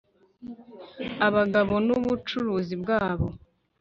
Abagabo nubucuruzi bwabo